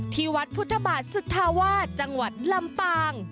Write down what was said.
ที่วัดพุทธบาทสุธาวาสจังหวัดลำปาง